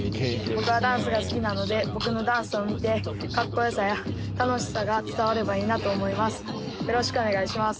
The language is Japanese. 僕はダンスが好きなので僕のダンスを見てかっこよさや楽しさが伝わればいいなと思います。